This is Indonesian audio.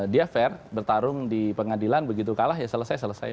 dia fair bertarung di pengadilan begitu kalah ya selesai selesai